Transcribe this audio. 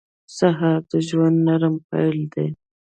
سهار د ژوند نرم پیل دی.